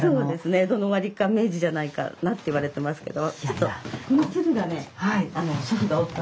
江戸の終わりか明治じゃないかなって言われてますけど。